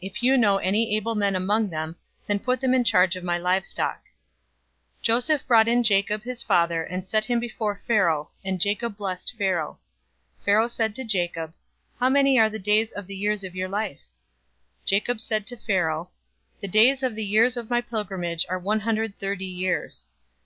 If you know any able men among them, then put them in charge of my livestock." 047:007 Joseph brought in Jacob, his father, and set him before Pharaoh, and Jacob blessed Pharaoh. 047:008 Pharaoh said to Jacob, "How many are the days of the years of your life?" 047:009 Jacob said to Pharaoh, "The days of the years of my pilgrimage are one hundred thirty years.